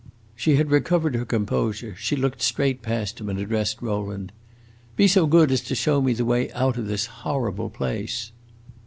She had recovered her composure; she looked straight past him and addressed Rowland: "Be so good as to show me the way out of this horrible place!"